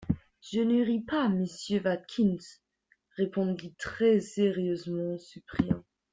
Je ne ris pas, monsieur Watkins! répondit très sérieusement Cyprien.